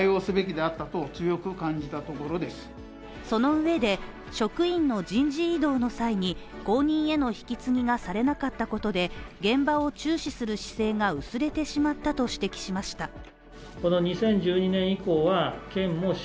そのうえで、職員の人事異動の際に後任への引き継ぎがされなかったことで現場を注視する姿勢が薄れてしまったと指摘しました。